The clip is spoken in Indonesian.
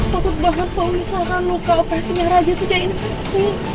takut banget kalau misalkan luka operasinya raja itu kayak infeksi